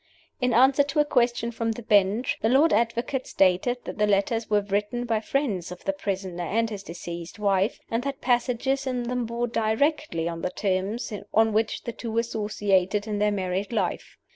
In answer to a question from the Bench, the Lord Advocate stated that the letters were written by friends of the prisoner and his deceased wife, and that passages in them bore directly on the terms on which the two associated in their married life.